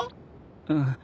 うん。